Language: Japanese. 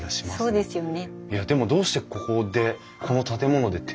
そうですね。